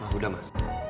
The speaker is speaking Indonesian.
nah udah mah